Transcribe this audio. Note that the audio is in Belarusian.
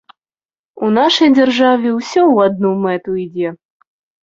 У нашай дзяржаве ўсё ў адну мэту ідзе.